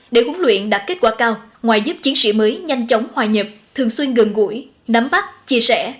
để huấn luyện đạt kết quả cao ngoài giúp chiến sĩ mới nhanh chóng hòa nhập thường xuyên gần gũi nắm bắt chia sẻ